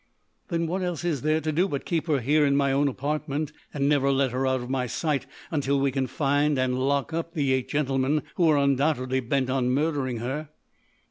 "Then what else is there to do but keep her here in my own apartment and never let her out of my sight until we can find and lock up the eight gentlemen who are undoubtedly bent on murdering her?"